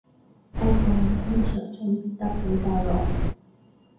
不過我通常準備得比較耐